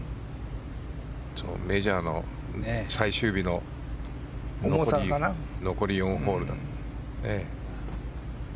メジャーの最終日の残り４ホール。